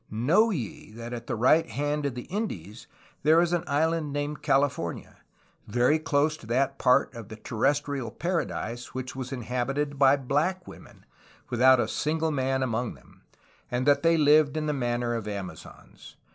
Know 58 A HISTORY OF CALIFORNIA ye that at the right hand of the Indies there is an island named Cahfornia, very close to that part of the Terrestrial Paradise, which was inhabited by black women, without a single man among them, and that they lived in the manner of Amazons.